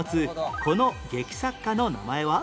この劇作家の名前は？